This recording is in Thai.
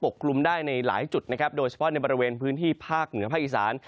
กลุ่มได้ในหลายจุดนะครับโดยเฉพาะในบริเวณพื้นที่ภาคเหนือภาคอีสาน